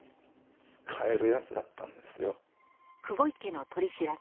使える奴だったんですよ。